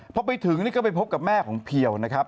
พอไปถึงนี่ก็ไปพบกับแม่ของเพียวนะครับ